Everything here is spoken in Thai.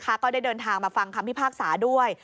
ก็ได้เดินทางมาฟังคำพิพากษาด้วย